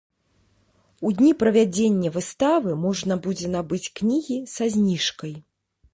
У дні правядзення выставы можна будзе набыць кнігі са зніжкай.